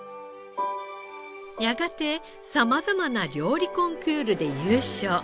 やがて様々な料理コンクールで優勝。